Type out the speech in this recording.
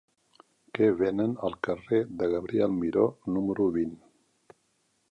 Què venen al carrer de Gabriel Miró número vint?